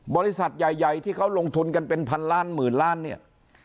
บริษัทใหญ่ที่เขาลงทุนกันเป็นพันล้านหมื่นล้านเนี่ย